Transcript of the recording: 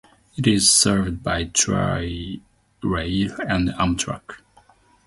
It is served by Tri-Rail and Amtrak.